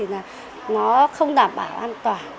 nó không đảm bảo an toàn